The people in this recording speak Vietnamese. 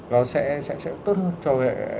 nó sẽ tốt hơn cho